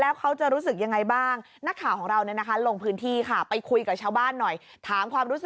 แล้วเขาจะรู้สึกยังไงบ้าง